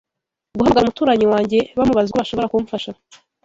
guhamagara umuturanyi wanjye bamubaza uko bashobora kumfasha